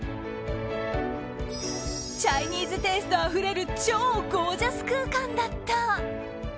チャイニーズテイストあふれる超ゴージャス空間だった。